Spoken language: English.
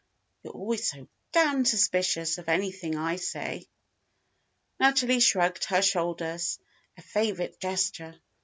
You're always so damned suspicious of anything I say." Natalie shrugged her shoulders, a favourite gesture.